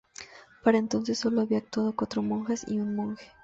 Para entonces, sólo había cuatro monjas y un monje.